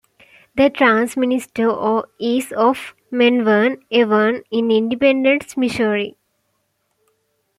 The transmitter is off Menown Avenue in Independence, Missouri.